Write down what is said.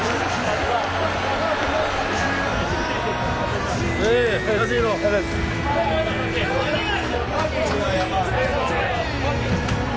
ありがとうございます。